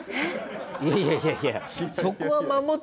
いやいやいやいや。